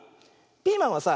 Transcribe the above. ピーマンはさ